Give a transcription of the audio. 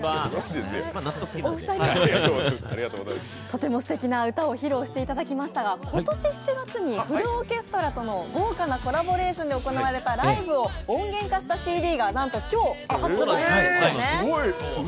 とても好きな歌を披露していただきましたが、今年７月にフルオーケストラとの豪華なコラボレーションで行われたライブを音源化したＣＤがなんと今日発売なんですよね。